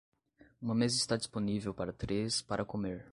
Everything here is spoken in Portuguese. Uma mesa está disponível para três para comer.